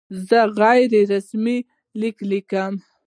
زه غیر رسمي لیک لیکم.